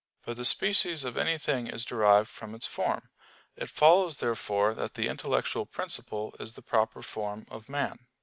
But the species of anything is derived from its form. It follows therefore that the intellectual principle is the proper form of man.